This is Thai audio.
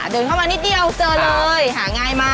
เดินเข้ามานิดเดียวเจอเลยหาง่ายมาก